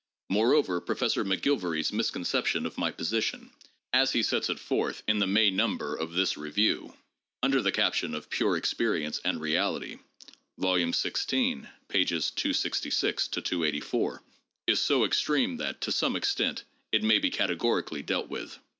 Moreover, Professor McGilvary's misconception of my position, as he sets it forth in the May number of this Review, under the caption of '' Pure Experience and Reality '' (Vol. XVI, pp. 266 284), is so extreme that, to some extent, it may be categorically dealt with.